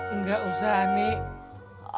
enggak usah anik